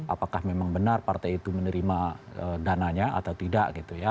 apakah memang benar partai itu menerima dananya atau tidak